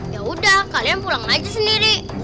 yaudah kalian pulang aja sendiri